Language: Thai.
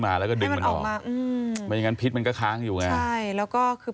หาบัตรไหนที่แข็ง